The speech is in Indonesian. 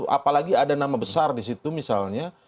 apalagi ada nama besar di situ misalnya